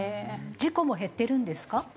事故も減ってるんですか？